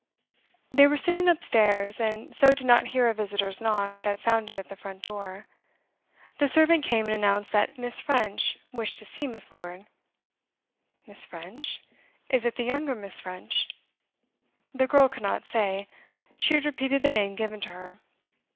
They were sitting upstairs, and so did not hear a visitor's knock that sounded at the front door. The servant came and announced that Miss. French wished to see Miss. Lord. 'Miss. French? Is it the younger Miss. French?' The girl could not say; she had repeated the name given to her.